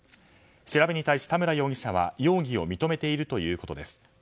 調べに対し、田村容疑者は容疑を認めているということです。